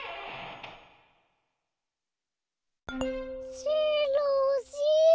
しろしろ。